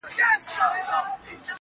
توروه سترگي ښايستې په خامـوشـۍ كي~